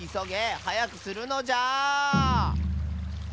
はやくするのじゃ！